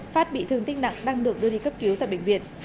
phát bị thương tích nặng đang được đưa đi cấp cứu tại bệnh viện